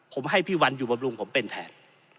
ผมให้พี่วันอยู่บำรุงผมเป็นแทน